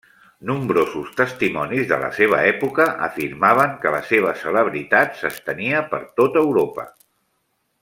Nombrosos testimonis de la seva època afirmaven que la seva celebritat s'estenia per tot Europa.